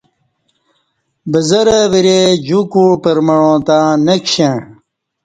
بزہ رہ ورے جوکوع پرمعاں تہ نکشݩع